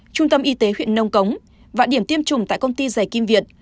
trung tâm y tế huyện nông cống và điểm tiêm chủng tại công ty dày kim việt